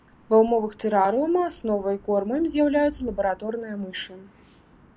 Ва ўмовах тэрарыума асновай корму ім з'яўляюцца лабараторныя мышы.